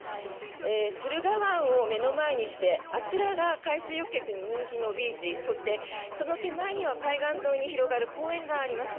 駿河湾を目の前にしてあちらが海水浴客に人気のビーチそして、その手前には海岸沿いに広がる公園があります。